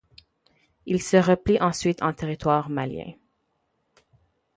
Ils se replient ensuite en territoire malien.